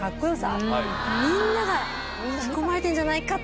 みんなが引き込まれてるんじゃないか。